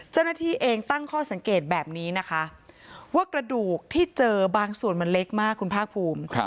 เจ้าหน้าที่เองตั้งข้อสังเกตแบบนี้นะคะว่ากระดูกที่เจอบางส่วนมันเล็กมากคุณภาคภูมิ